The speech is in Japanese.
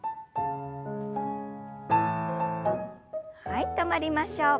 はい止まりましょう。